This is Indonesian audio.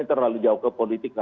terlalu jauh ke politik